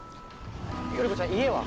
頼子ちゃん家は？